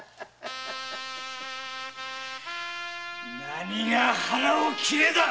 何が「腹を切れ」だ。